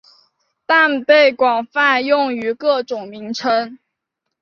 但被广泛用于各种名称。